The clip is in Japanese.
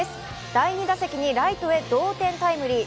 第２打席にライトへ同点タイムリー